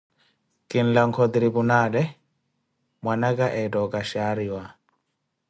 Kinlankha o tiripunaale, mwnaka eetta okashaariwa.